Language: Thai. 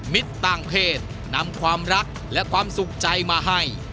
ต่างเพศนำความรักและความสุขใจมาให้